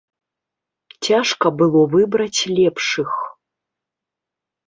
Цяжка было выбраць лепшых.